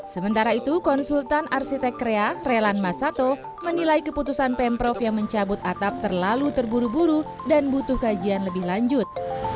sementara itu konsultan arsitek krea trelan masato menilai keputusan pemprov yang mencabut atap terlalu terburu buru dan butuh kajian lebih lanjut